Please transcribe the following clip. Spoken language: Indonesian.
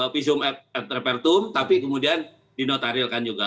pisum et reper tum tapi kemudian dinotarilkan juga